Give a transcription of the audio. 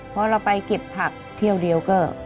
พอเราไปเก็บผักเที่ยวเดียวก็